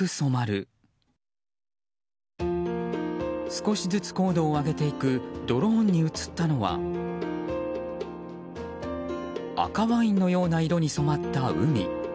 少しずつ高度を上げていくドローンに映ったのは赤ワインのような色に染まった海。